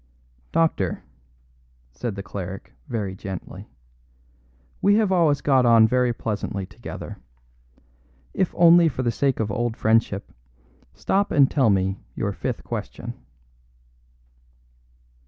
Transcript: "Doctor," said the cleric very gently, "we have always got on very pleasantly together. If only for the sake of old friendship, stop and tell me your fifth question."